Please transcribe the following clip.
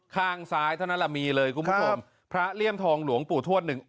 ข้างซ้ายเท่านั้นแหละมีเลยคุณผู้ชมพระเลี่ยมทองหลวงปู่ทวดหนึ่ง